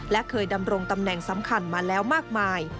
และเคยดำรงตำแหน่งสำคัญมาแล้วมากมาย